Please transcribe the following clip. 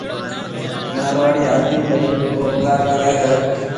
مارواڙي آڏمِي ٻنِي رو ڪوم ڪرَي ھيَََ